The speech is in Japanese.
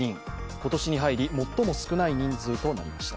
今年に入り最も少ない人数となりました。